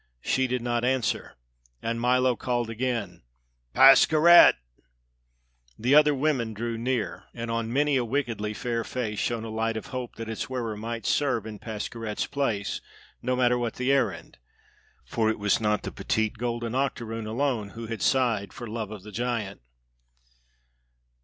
She did not answer, and Milo called again: "Pascherette!" The other women drew near, and on many a wickedly fair face shone a light of hope that its wearer might serve in Pascherette's place, no matter what the errand; for it was not the petite golden octoroon alone who had sighed for love of the giant.